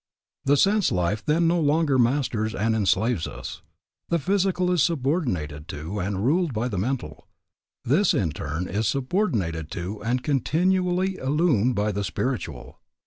The sense life then no longer masters and enslaves us. The physical is subordinated to and ruled by the mental; this in turn is subordinated to and continually illumined by the spiritual.